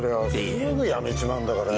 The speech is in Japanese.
すぐ辞めちまうんだからよ。